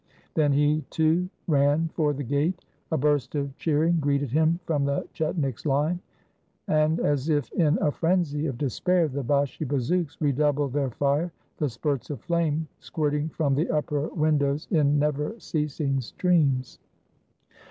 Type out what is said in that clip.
Then he, too, ran for the gate. A burst of cheering greeted him from the chetniks' line, and, as if in a frenzy of despair, the Bashi bazouks redoubled their fire, the spurts of flame squirting from the upper win dows in never ceasing streams.